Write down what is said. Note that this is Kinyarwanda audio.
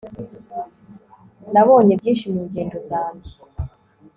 nabonye byinshi mu ngendo zanjye